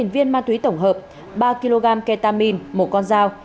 sáu viên ma túy tổng hợp ba kg ketamine một con dao